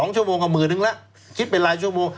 ๒ชั่วโมงกว่าหมื่นนึงแล้วคิดเป็นรายชั่วโมง